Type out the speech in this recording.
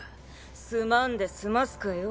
すまんで済ますかよ。